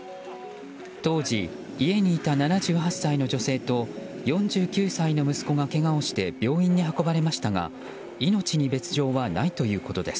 当時、家にいた７８歳の女性と４９歳の息子がけがをして病院に運ばれましたが命に別条はないということです。